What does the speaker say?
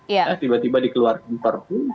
nah tiba tiba dikeluarkan perpu